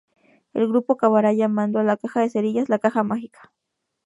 El grupo acabará llamando a la caja de cerillas "La caja mágica".